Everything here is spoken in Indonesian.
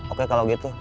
oke kalau gitu